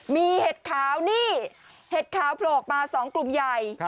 มีเห็ดขาวนี่เห็ดขาวโผล่ออกมา๒กลุ่มใหญ่